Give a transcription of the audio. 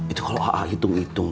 itu kalau hitung hitung